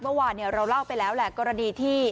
เมื่อวานเราเล่าไปแล้วแหละกรณีที่